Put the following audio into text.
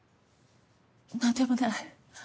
何でもない。